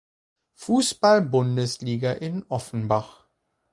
Fußball-Bundesliga in Offenbach.